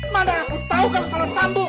mana aku tahu kalau salah sambung